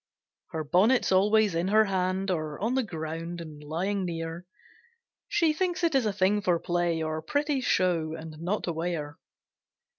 Her bonnet's always in her hand, Or on the ground, and lying near; She thinks it is a thing for play, Or pretty show, and not to wear.